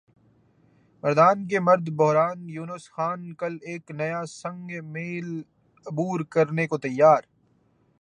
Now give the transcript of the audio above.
مردان کےمرد بحران یونس خان کل ایک نیا سنگ میل عبور کرنے کو تیار